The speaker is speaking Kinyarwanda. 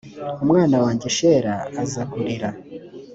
umwana wanjye shela azakurira